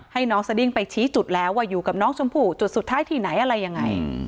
ให้น้องสดิ้งไปชี้จุดแล้วว่าอยู่กับน้องชมพู่จุดสุดท้ายที่ไหนอะไรยังไง